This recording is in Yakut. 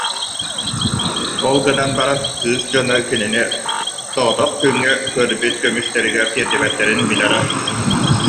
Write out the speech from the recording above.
Ол гынан баран, кыыс дьоно кинини соҕотох күҥҥэ көрбүт көмүстэригэр тиэрдибэттэрин билэрэ